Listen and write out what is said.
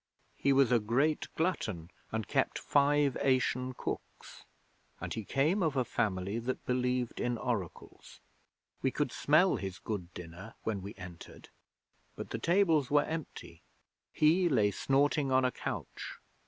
He was a great glutton, and kept five Asian cooks, and he came of a family that believed in oracles. We could smell his good dinner when we entered, but the tables were empty. He lay snorting on a couch.